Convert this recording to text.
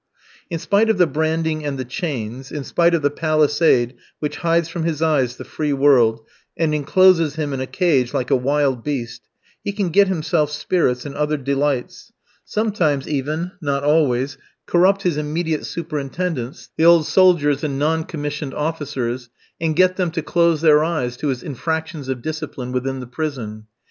In spite of the branding and the chains, in spite of the palisade which hides from his eyes the free world, and encloses him in a cage like a wild beast, he can get himself spirits and other delights; sometimes even (not always), corrupt his immediate superintendents, the old soldiers and non commissioned officers, and get them to close their eyes to his infractions of discipline within the prison.